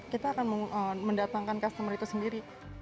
kita akan mendatangkan customer itu sendiri